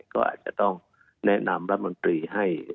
ก็อาจจะต้องแนะนำรัฐมนตรีให้